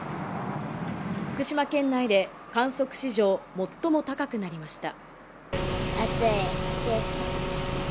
福島県内で観測史上最も高くなりました。